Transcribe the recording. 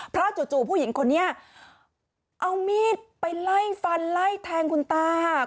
เพราะจู่ผู้หญิงคนนี้เอามีดไปไล่ฟันไล่แทงคุณตาค่ะ